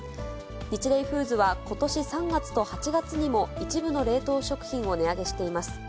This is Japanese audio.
ニチレイフーズはことし３月と８月にも、一部の冷凍食品を値上げしています。